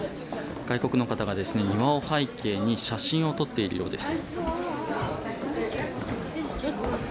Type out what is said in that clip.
外国の方が庭を背景に写真を撮っているようです。